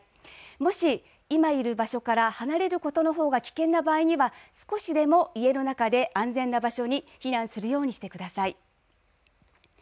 もし今いる場所から離れることのほうが危険な場合には少しでも家の中で安全な場所に避難するようにしてください。